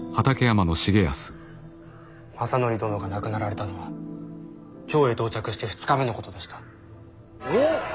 政範殿が亡くなられたのは京へ到着して２日目のことでした。